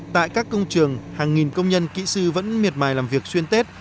tại các công trường hàng nghìn công nhân kỹ sư vẫn miệt mài làm việc xuyên tết